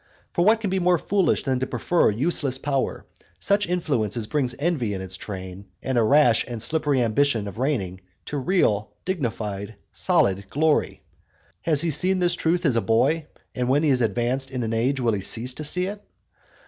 For what can be more foolish than to prefer useless power, such influence as brings envy in its train, and a rash and slippery ambition of reigning, to real, dignified, solid glory? Has he seen this truth as a boy, and when he has advanced in age will he cease to see it?